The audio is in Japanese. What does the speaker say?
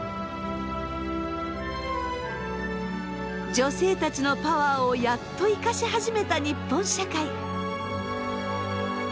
女性たちのパワーをやっと生かし始めた日本社会。